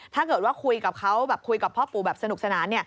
ถ้าเกิดว่าคุยกับเขาแบบคุยกับพ่อปู่แบบสนุกสนาน